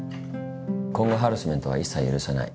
今後ハラスメントは一切許さない。